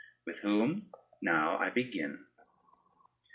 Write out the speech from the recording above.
With whom now I begin.